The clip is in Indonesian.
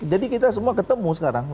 jadi kita semua ketemu sekarang